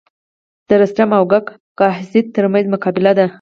د رستم او کک کهزاد تر منځ مقابله ده.